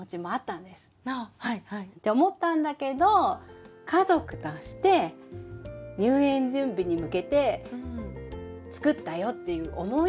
ああはいはい。って思ったんだけど家族として入園準備に向けて作ったよっていう思い出を作りたかった。